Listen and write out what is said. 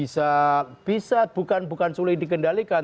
ya bisa bukan sulit dikendalikan